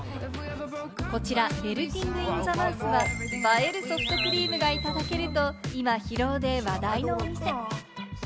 こちら「メルティングインザマウス」は、映えるソフトクリームがいただけると今、広尾で話題のお店。